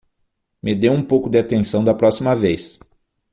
Me dê um pouco de atenção da próxima vez!